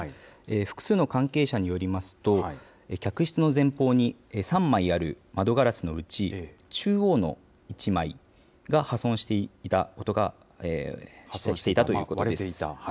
複数の関係者によりますと、客室の前方に３枚ある窓ガラスのうち、中央の１枚が破損していたということです。